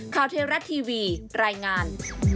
คาวเทราะห์ทีวีรายงาน